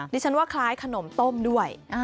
ดิฉันว่าคล้ายขนมต้มด้วย